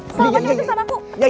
kalau macem macem sama aku